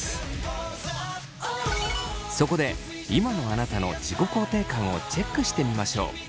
そこで今のあなたの自己肯定感をチェックしてみましょう。